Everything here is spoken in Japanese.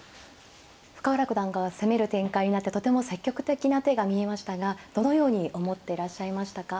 深浦九段が攻める展開になってとても積極的な手が見えましたがどのように思ってらっしゃいましたか。